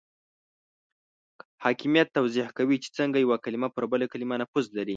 حاکمیت توضیح کوي چې څنګه یو کلمه پر بل کلمه نفوذ لري.